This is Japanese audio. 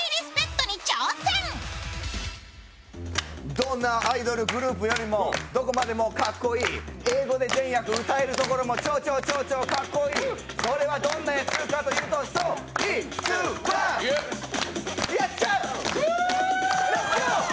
どんなアイドルグループよりもどこまでもかっこいい英語で全曲歌えるところも超超超超かっこいい、これはどんなやつかというとそいつは吉澤。